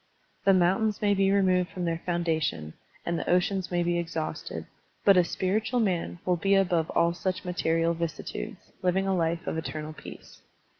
The mountains may be removed from their foundation, and the oceans may be exhausted, but a spiritual man will be above all such material vicissitudes, living a life of eternal peace.